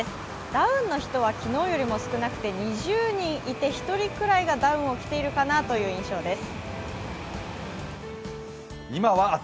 ダウンの人は昨日よりも少なくて、２０人いて１人くらいがダウンを着ているかなという印象です。